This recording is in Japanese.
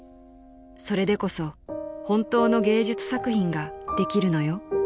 ［「それでこそ本当の芸術作品ができるのよ」］